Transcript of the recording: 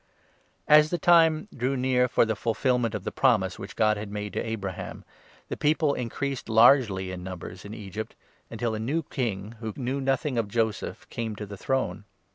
As the time drew near 17 for the fulfilment of the promise which God had made to Abraham, the people increased largely in numbers in Egypt, until a new king, who knew nothing of Joseph, came to the 18 throne.